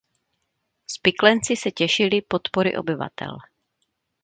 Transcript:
Spiklenci se těšili podpory obyvatel.